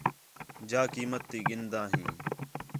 جا قیمت تی گِھندا ہیں